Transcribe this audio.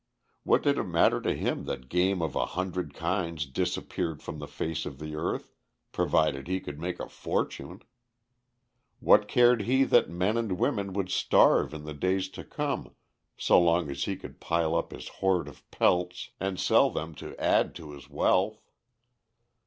What did it matter to him that game of a hundred kinds disappeared from the face of the earth provided he could make a fortune? What cared he that men and women would starve in the days to come so long as he could pile up his hoard of pelts, and sell them to add to his wealth?